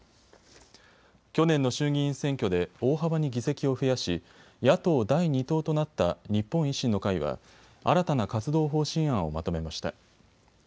去年の衆議院選挙で大幅に議席を増やし野党第２党となった日本維新の会は新たな活動方針案をまとめました。